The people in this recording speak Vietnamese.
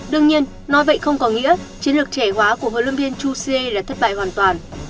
đương nhiên nói vậy không có nghĩa chiến lược trẻ hóa của huấn luyện viên chu xie đã thất bại hoàn toàn